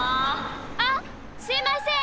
あっすいません！